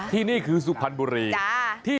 ที่นี่คือสุพรรณบุรี